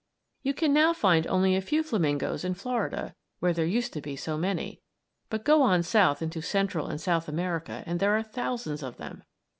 You can now find only a few flamingoes in Florida, where there used to be so many; but go on south into Central and South America and there are thousands of them.